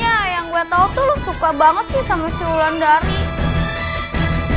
ya habisnya yang gue tau tuh lo suka banget sih sama si ulan dari